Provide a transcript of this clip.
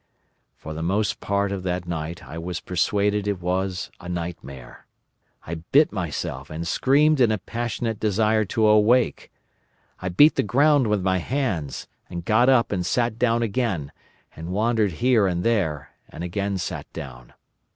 "For the most part of that night I was persuaded it was a nightmare. I bit myself and screamed in a passionate desire to awake. I beat the ground with my hands, and got up and sat down again, and wandered here and there, and again sat down.